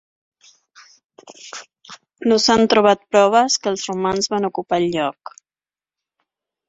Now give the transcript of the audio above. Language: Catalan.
No s'han trobat proves que els romans van ocupar el lloc.